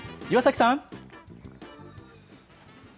岩崎さん。